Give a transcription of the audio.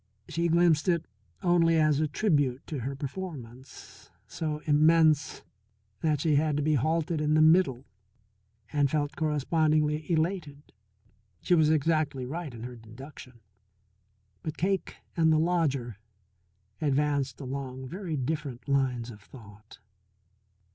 She glimpsed it only as a tribute to her performance, so immense that she had to be halted in the middle, and felt correspondingly elated. She was exactly right in her deduction. But Cake and the lodger advanced along very different lines of thought.